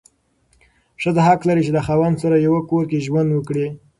ښځه حق لري چې د خاوند سره یو کور کې ژوند وکړي.